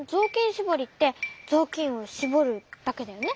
しぼりってぞうきんをしぼるだけだよね？